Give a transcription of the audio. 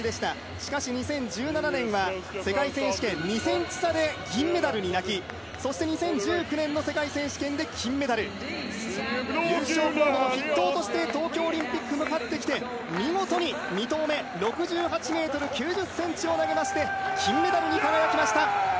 しかし２０１７年は世界選手権２ｃｍ差で銀メダルに泣き、そして２０１９年の世界選手権で金メダル。優勝候補の筆頭として東京オリンピックへ向かってきて、見事に２投目６８ｍ９０ｃｍを投げまして金メダルに輝きました。